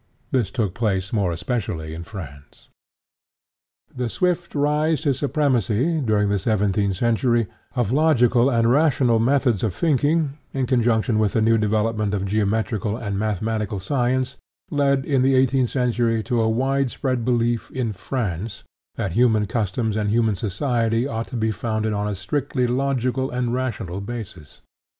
This took place more especially in France. The swift rise to supremacy, during the seventeenth century, of logical and rational methods of thinking, in conjunction with the new development of geometrical and mathematical science, led in the eighteenth century to a widespread belief in France that human customs and human society ought to be founded on a strictly logical and rational basis.